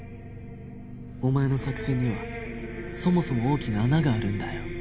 お前の作戦にはそもそも大きな穴があるんだよ